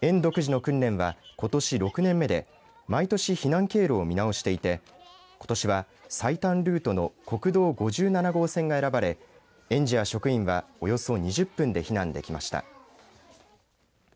県独自の訓練は、ことし６年目で毎年避難経路を見直していてことしは最短ルートの国道５７号線が選ばれ園児や職員はおよそ２０分で避難できました。